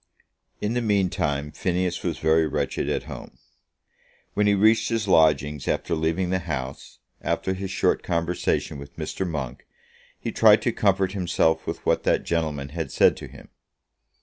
In the meantime Phineas was very wretched at home. When he reached his lodgings after leaving the House, after his short conversation with Mr. Monk, he tried to comfort himself with what that gentleman had said to him.